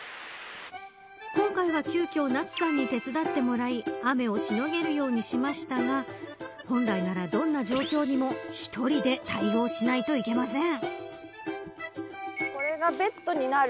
今回は、急きょＮＡＴＳＵさんに手伝ってもらい雨をしのげるようにしましたが本来なら、どんな状況にも１人で対応しないといけません。